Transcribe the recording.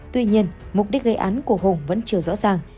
tuy nhiên mục đích gây án của hùng vẫn chưa rõ ràng